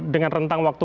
dengan rentang waktu